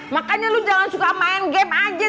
makanya lu jangan suka main game aja